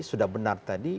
sudah benar tadi